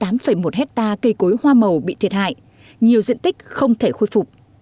trong chín mươi tám một hectare cây cối hoa màu bị thiệt hại nhiều diện tích không thể khôi phục